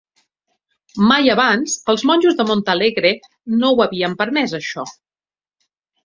Mai abans els monjos de Montalegre no ho havien permès, això.